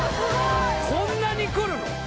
こんなにくるの！？